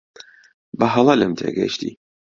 بەهەڵە لێم تێگەیشتی.